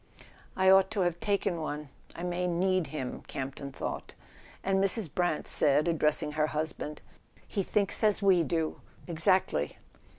"I ought to have taken one—I may need him, Campton thought; and Mrs. Brant said, addressing her husband: "He thinks as we do—exactly.